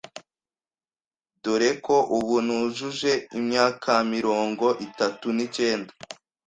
doreko ubu nujuje imyakamirongo itatu nicyenda